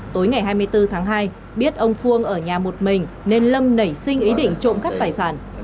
tối ngày hai mươi bốn tháng hai biết ông phương ở nhà một mình nên lâm nảy sinh ý định trộm cắp tài sản